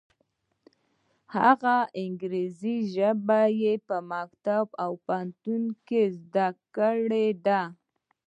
هغه انګریزي ژبه یې په مکتب او پوهنتون کې زده کړې ده.